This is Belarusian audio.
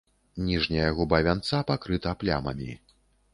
Ніжняя губа вянца пакрыта плямамі.